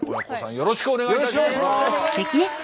よろしくお願いします！